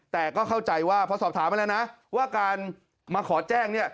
แต่ก็เข้าใจว่าพอสอบถามมาแล้วนะว่าการมาขอแจ้งเนี่ย